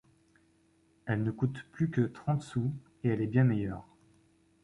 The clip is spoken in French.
Elle ne coûte plus que trente sous, et elle est bien meilleure.